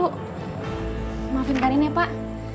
maafin karin ya pak